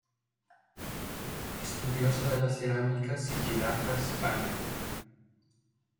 Estudiosa de la cerámica "Sigillata Hispanica".